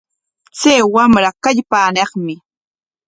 Chay wamra kallpaanaqmi.